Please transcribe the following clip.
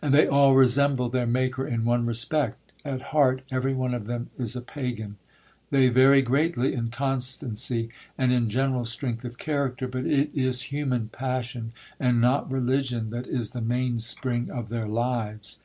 And they all resemble their maker in one respect; at heart every one of them is a Pagan. They vary greatly in constancy and in general strength of character; but it is human passion, and not religion, that is the mainspring of their lives.